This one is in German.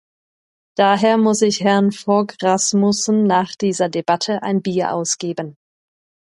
Daher muss ich Herrn Fogh Rasmussen nach dieser Debatte ein Bier ausgeben.